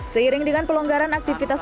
seiring dengan pelonggaran aktivitas